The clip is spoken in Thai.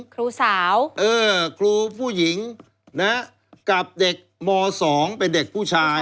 ครูสาวครูผู้หญิงกับเด็กม๒เป็นเด็กผู้ชาย